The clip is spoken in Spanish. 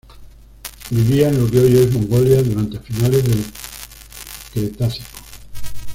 Vivía en lo que hoy es Mongolia durante finales del Cretácico.